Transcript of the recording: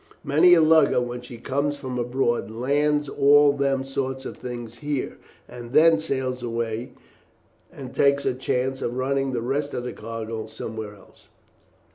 Many a lugger when she comes from abroad lands all them sorts of things here, and then sails away and takes her chance of running the rest of the cargo somewhere else."